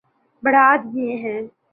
بڑھا دیے ہیں